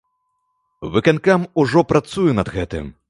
Выканкам ужо працуе над гэтым.